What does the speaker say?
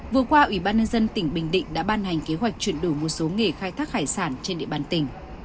vừa qua ủy ban nhân dân tỉnh bình định đã ban hành kế hoạch chuyển đổi một số nghề khai thác hải sản trên địa bàn tỉnh